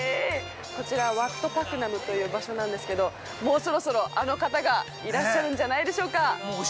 これはワット・パクナムという場所なんですけどもうそろそろあの方がいらっしゃるんじゃないでしょうか。